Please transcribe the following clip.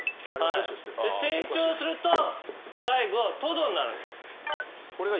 成長すると最後トドになるんすよ。